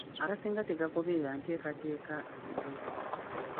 Agasinga tegagoberera nteekateeka eno.